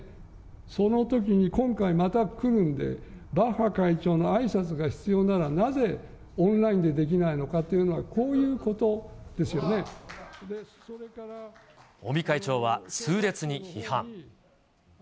そのときに、今回また来るんで、バッハ会長のあいさつが必要なら、なぜオンラインでできないのかと尾身会長は痛烈に批判。